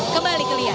kembali ke lihat